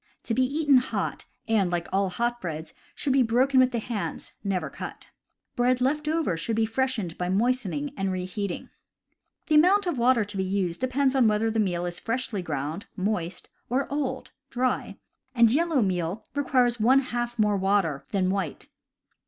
To be eaten hot, and, like all hot breads, should be broken with the hands, never cut. Bread left over should be freshened by moistening and reheating. The amount of water to be used depends upon whether the meal is freshly ground (moist) or old (dry), and yellow meal requires one half more water than white.